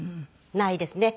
ないですね。